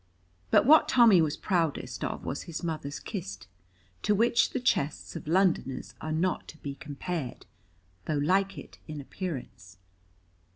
But what Tommy was proudest of was his mother's kist, to which the chests of Londoners are not to be compared, though like it in appearance.